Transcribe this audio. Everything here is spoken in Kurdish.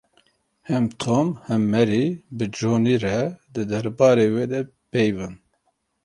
Him Tom him Mary bi Johnî re di derbarê wê de peyivîn.